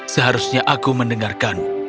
seharusnya aku mendengarkanmu